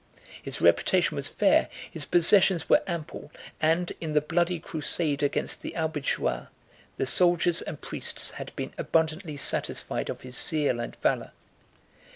His reputation was fair, his possessions were ample, and in the bloody crusade against the Albigeois, the soldiers and the priests had been abundantly satisfied of his zeal and valor.